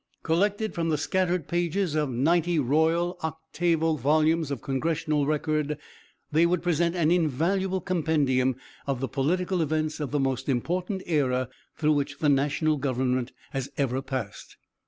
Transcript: Collected from the scattered pages of ninety royal octavo volumes of Congressional record, they would present an invaluable compendium of the political events of the most important era through which the National government has ever passed.